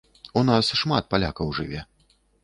У нас шмат палякаў жыве.